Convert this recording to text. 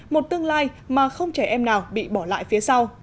một tương lai mà không trẻ em nào bị bỏ lại phía sau